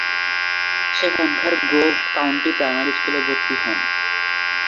সেখানকার Grove County primary স্কুলে ভর্তি হন।